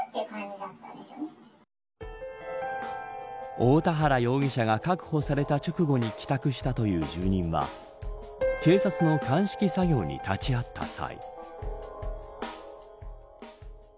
大田原容疑者が確保された直後に帰宅したという住人は警察の鑑識作業に立ち会った際。